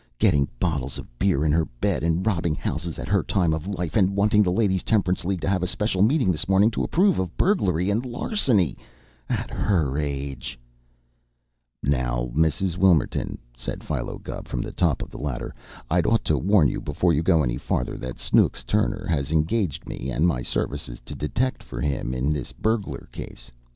"Getting bottles of beer in her bed, and robbing houses at her time of life, and wanting the Ladies' Temperance League to have a special meeting this morning to approve of burglary and larceny! At her age!" "Now, Miss Wilmerton," said Philo Gubb, from the top of the ladder, "I'd ought to warn you, before you go any farther, that Snooks Turner has engaged me and my services to detect for him in this burglar case.